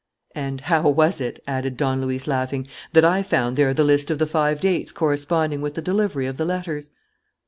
"And how was it," added Don Luis, laughing, "that I found there the list of the five dates corresponding with the delivery of the letters?"